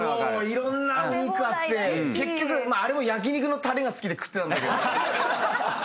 いろんなお肉あって結局まあ焼き肉のたれが好きで食ってたんだけど。